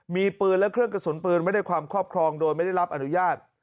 มีปืนและเครื่องกระสุนปืนไว้ในความครอบครองโดยไม่ได้รับอนุญาต